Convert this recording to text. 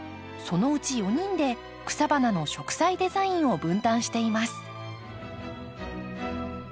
そのうち４人で草花の植栽デザインを分担しています。